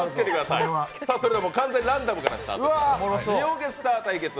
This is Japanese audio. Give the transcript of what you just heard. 完全にランダムからスタート。